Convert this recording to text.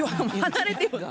離れてんか。